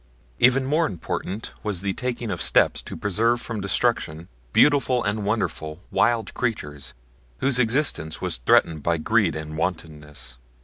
Even more important was the taking of steps to preserve from destruction beautiful and wonderful wild creatures whose existence was threatened by greed and wantonness.